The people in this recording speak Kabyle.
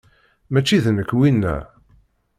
Mačči d nekk winna.